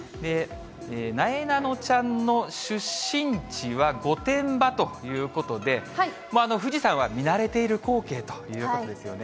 なえなのちゃんの出身地は御殿場ということで、富士山は見慣れている光景ということですよね。